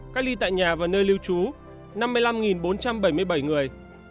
cách ly tại nhà và nơi lưu trú năm mươi năm bốn trăm bảy mươi bảy người